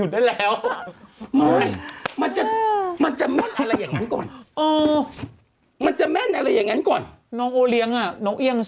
แล้วมันแบบมันมีหลายคนที่ด่า